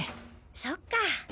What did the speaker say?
そっか。